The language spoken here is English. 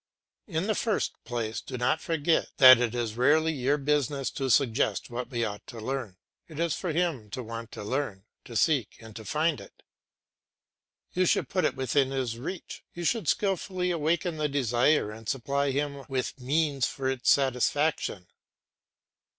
In the first place do not forget that it is rarely your business to suggest what he ought to learn; it is for him to want to learn, to seek and to find it. You should put it within his reach, you should skilfully awaken the desire and supply him with means for its satisfaction.